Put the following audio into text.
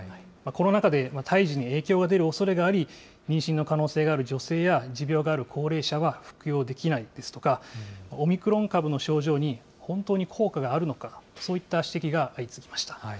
この中で胎児に影響が出るおそれがあり、妊娠の可能性がある女性や持病がある高齢者は服用できないですとか、オミクロン株の症状に本当に効果があるのか、そういった指摘が相次ぎました。